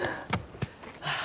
ああ。